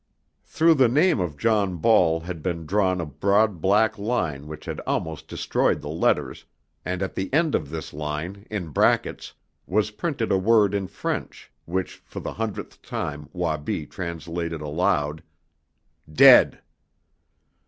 Through the name of John Ball had been drawn a broad black line which had almost destroyed the letters, and at the end of this line, in brackets, was printed a word in French, which for the hundredth time Wabi translated aloud: "Dead!"